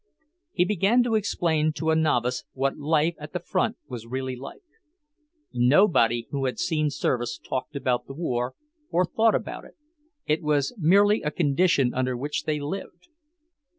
He began to explain to a novice what life at the front was really like. Nobody who had seen service talked about the war, or thought about it; it was merely a condition under which they lived.